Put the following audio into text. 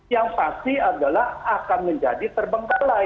yang pasti adalah akan menjadi terbengkalai